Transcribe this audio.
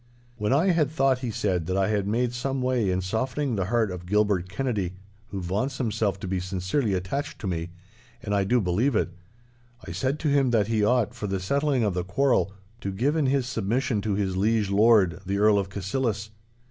'When I had thought,' he said, 'that I had made some way in softening the heart of Gilbert Kennedy, who vaunts himself to be sincerely attached to me—and I do believe it—I said to him that he ought, for the settling of the quarrel, to give in his submission to his liege lord, the Earl of Cassillis.